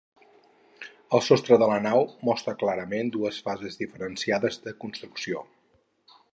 El sostre de la nau mostra clarament dues fases diferenciades de construcció.